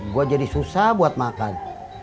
gue jadi susah buat makan